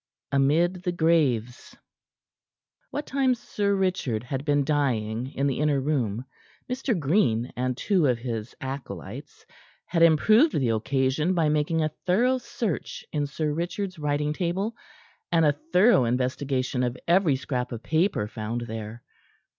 AMID THE GRAVES What time Sir Richard had been dying in the inner room, Mr. Green and two of his acolytes had improved the occasion by making a thorough search in Sir Richard's writing table and a thorough investigation of every scrap of paper found there.